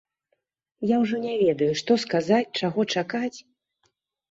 Я ўжо не ведаю, што сказаць, чаго чакаць.